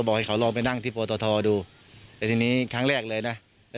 กอลูกบอกให้เขาลองไปนั่งที่พลตดูที่นี่ครั้งแรกเลยนะ